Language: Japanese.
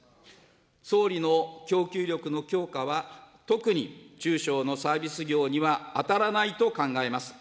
総理の供給力の強化は、特に中小のサービス業には当たらないと考えます。